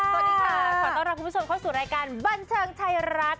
ขอต้อนรับคุณผู้ชมเข้าสู่รายการบันเทิงไทยรัฐ